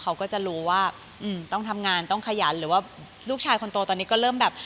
เขาก็จะรู้ว่าต้องทำงานต้องขยันหรือว่าลูกชายคนโตตอนนี้ก็เริ่มแบบ